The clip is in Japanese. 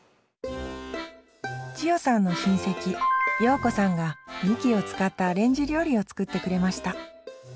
千代さんの親戚葉子さんがみきを使ったアレンジ料理を作ってくれました。